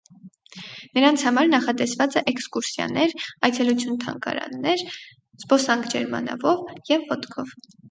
Նրանց համար նախատեսված է էքսկուրսիաներ, այցելություն թանգարաններ, զբոսնք ջերմանավով և ոտքով։